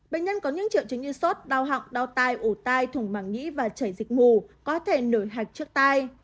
bệnh nhân có những triệu chứng như sốt đau hỏng đau tai ổ tai thùng bằng nhĩ và chảy dịch mù có thể nổi hạch trước tai